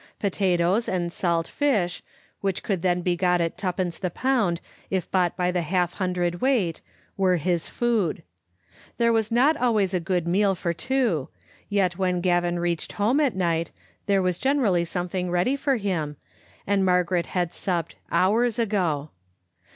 Potatoes and salt fish, which could then be got at two pence the pound if bought by the half hundred weight, were his food. There was not always a good meal for two, yet when Gavin reached home at night there was generally something ready for him, and Digitized by VjOOQ IC 13 tibe Xfttle Ainietcv. Margaret had supped "hours ago."